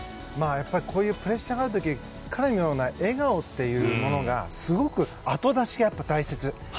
こういうプレッシャーがある時彼のような笑顔というものがすごく、後出しが大切。